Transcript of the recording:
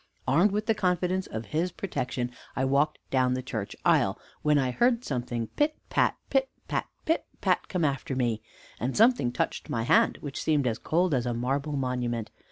Armed with the confidence of his protection; I walked down the church aisle, when I heard something pit, pat, pit, pat, pit, pat, come after me, and something touched my hand, which seemed as cold as a marble monument.